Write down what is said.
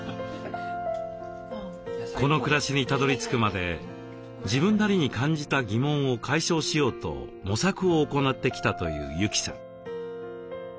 この暮らしにたどりつくまで自分なりに感じた疑問を解消しようと模索を行ってきたという由季さん。